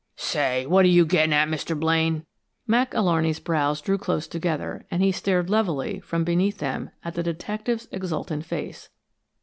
"Say, what're you gettin' at, Mr. Blaine?" Mac Alarney's brows drew close together, and he stared levelly from beneath them at the detective's exultant face.